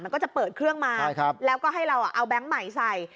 มันก็จะเปิดเครื่องมาแล้วก็ให้เราเอาแบงค์ใหม่ใส่